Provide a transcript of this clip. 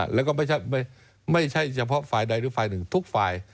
แล้วก็ไม่ใช่เฉพาะฝ่ายใดหรือฝ่ายหนึ่งทุกฝ่าย